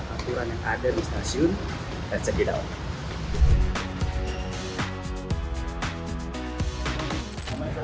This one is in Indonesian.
aturan yang ada di stasiun dan sedia